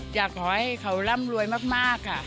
อยากให้เขาร่ำรวยมากค่ะ